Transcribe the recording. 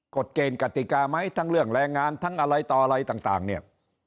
กฎเกณฑ์กติกาไหมทั้งเรื่องแรงงานทั้งอะไรต่ออะไรต่างเนี่ย